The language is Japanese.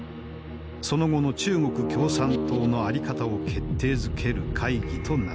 その後の中国共産党の在り方を決定づける会議となった。